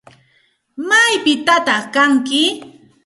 ¿Maypitataq kanki?